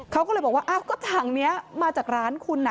เขาก็เลยบอกว่าอ้าวก็ถังนี้มาจากร้านคุณนะ